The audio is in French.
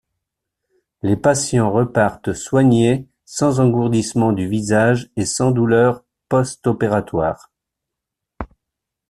Les patients repartent soignés sans engourdissement du visage et sans douleur postopératoire.